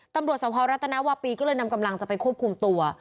ตำรวจสภรัฐนาวาปีก็เลยนำกำลังจะไปควบคุมตัว